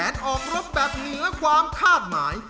เมื่อตอนที่แล้วทีมมังกรจิ๋วเจ้าประยา